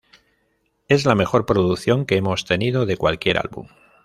Es la mejor producción que hemos tenido de cualquier álbum.